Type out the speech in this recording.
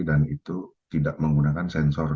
dan itu tidak menggunakan sensor